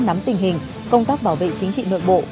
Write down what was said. nắm tình hình công tác bảo vệ chính trị nội bộ